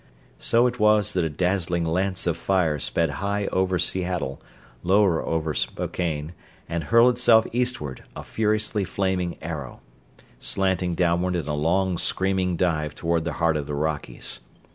So it was that a dazzling lance of fire sped high over Seattle, lower over Spokane, and hurled itself eastward, a furiously flaming arrow; slanting downward in a long, screaming dive toward the heart of the Rockies.